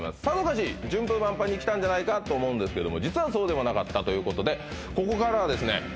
さぞかし順風満帆にきたんじゃないかと思うんですけども実はそうでもなかったということでここからはですね